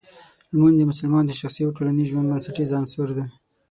لمونځ د مسلمان د شخصي او ټولنیز ژوند بنسټیز عنصر دی.